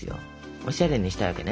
おしゃれにしたいわけね。